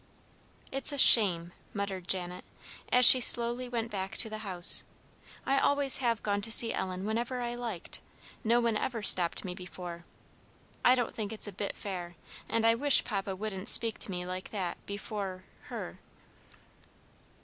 "It's a shame!" muttered Janet, as she slowly went back to the house. "I always have gone to see Ellen whenever I liked. No one ever stopped me before. I don't think it's a bit fair; and I wish Papa wouldn't speak to me like that before her."